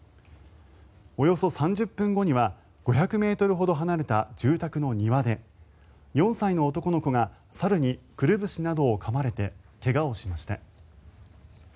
およそ３０分後には５００ｍほど離れた住宅の庭で４歳の男の子が猿にくるぶしなどをかまれて怪我をしました。